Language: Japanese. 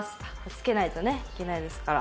着けないとねいけないですから。